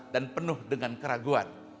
dan penuh dengan keraguan